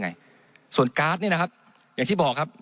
มันตรวจหาได้ระยะไกลตั้ง๗๐๐เมตรครับ